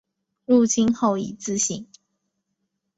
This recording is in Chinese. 入清后以字行。